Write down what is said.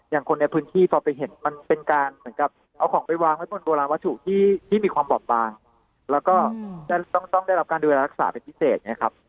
คนในพื้นที่พอไปเห็นมันเป็นการเหมือนกับเอาของไปวางไว้บนโบราณวัตถุที่มีความบอบบางแล้วก็ต้องได้รับการดูแลรักษาเป็นพิเศษอย่างนี้ครับ